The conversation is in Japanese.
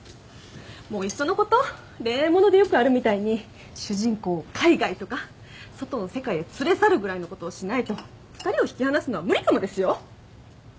もういっそのこと恋愛物でよくあるみたいに主人公を海外とか外の世界へ連れ去るぐらいのことをしないと２人を引き離すのは無理かもですよ！